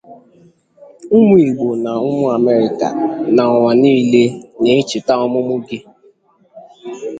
Ụmụ Igbo na ụmụ Amerịka na ụwa nile na-echeta ọmụmụ gị.